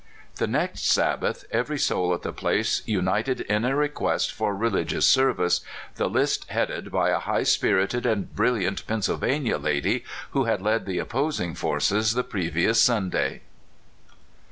The next Sabbath every soul at the place united in a request for a religious service, the list headed by a high spirited and brilliant Pennsylvania lady who had led the opposing forces the previous Sunday.